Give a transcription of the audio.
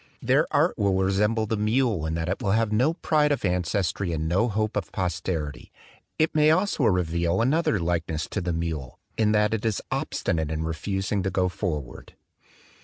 Their art will resemble the mule in that it will have no pride of ancestry and no hope of posterity. It may also reveal another likeness to the mule, in that it is obstinate in refusing to go forward.